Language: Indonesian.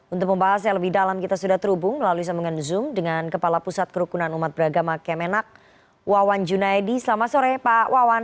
untuk pembahas yang lebih dalam kita sudah terhubung melalui sambungan zoom dengan kepala pusat kerukunan umat beragama kemenak wawan junaidi selamat sore pak wawan